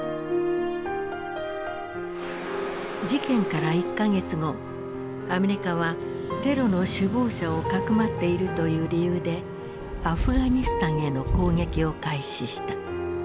事件から１か月後アメリカはテロの首謀者をかくまっているという理由でアフガニスタンへの攻撃を開始した。